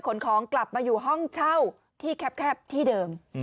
ขนของกลับมาอยู่ห้องเช่าที่แคบที่เดิม